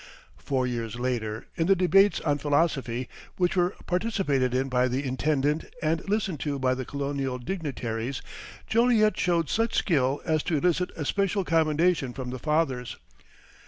Four years later, in the debates on philosophy, which were participated in by the Intendant and listened to by the colonial dignitaries, Joliet showed such skill as to elicit especial commendation from the Fathers.